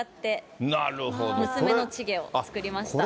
娘のチゲを作りました。